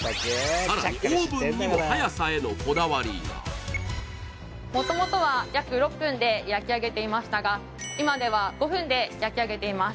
さらにオーブンにも早さへのこだわりが元々は約６分で焼き上げていましたが今では５分で焼き上げています